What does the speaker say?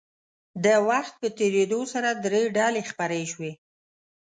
د وخت په تېرېدو سره درې ډلې خپرې شوې.